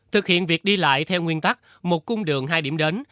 thực hiện việc đi lại theo nguyên tắc một cung đường hai điểm đến